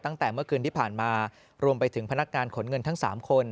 ตั้งแต่เมื่อคืนที่ผ่านมารวมไปถึงพนักงานขนเงินทั้ง๓คน